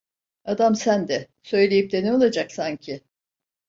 Adam sen de, söyleyip de ne olacak sanki?